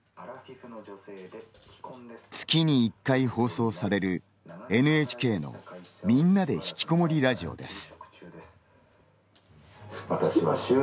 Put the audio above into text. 月に１回放送されるＮＨＫの「みんなでひきこもりラジオ」です。